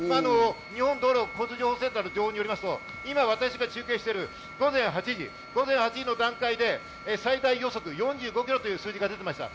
日本道路交通情報センターの情報によりますと今、私が中継している午前８時の段階で最大予測４５キロという数字が出ていました。